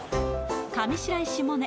上白石萌音